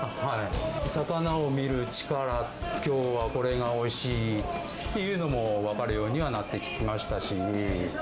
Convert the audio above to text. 魚を見る力、きょうはこれがおいしいっていうのも分かるようにはなってきまし